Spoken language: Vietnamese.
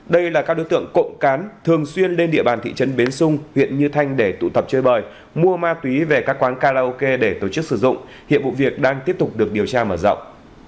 đây là các đối tượng cộng cán thường xuyên lên địa bàn thị trấn bến xung huyện như thanh để tụ tập chơi bời mua ma túy về các quán karaoke để tổ chức sử dụng hiện vụ việc đang tiếp tục được điều tra mở rộng